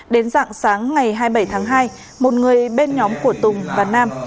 đến dạng sáng ngày hai mươi bảy tháng hai một người bên nhóm của tùng và nam